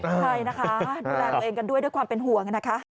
ใช่นะคะดูแลตัวเองกันด้วยด้วยความเป็นห่วงนะคะ